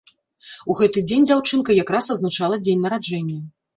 У гэты дзень дзяўчынка якраз адзначала дзень нараджэння.